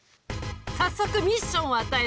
早速ミッションを与える。